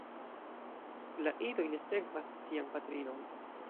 La idoj ne sekvas sian patrinon.